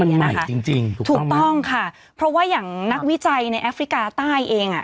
จริงจริงถูกต้องค่ะเพราะว่าอย่างนักวิจัยในแอฟริกาใต้เองอ่ะ